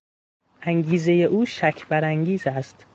انگیزهی او شک برانگیز است.